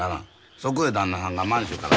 そこへ旦那はんが満州から。